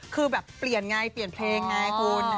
คือแบบเปลี่ยนไงเปลี่ยนเพลงไงคุณ